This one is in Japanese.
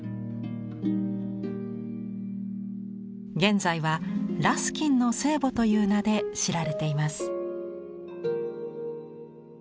現在は「ラスキンの聖母」という名で知られています。